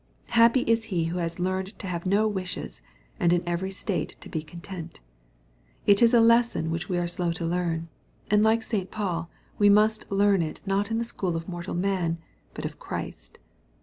Happy is he who has learned to have no wishes, and in every state to be content. It is a lesson which we are slow to learn, and like St. Paul, we must learn it not in the school of mortal man, but of Christ.